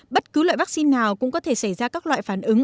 bất cứ loại vaccine nào cũng có thể xảy ra các loại phản ứng